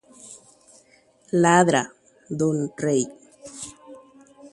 Oñarõ karai Réi.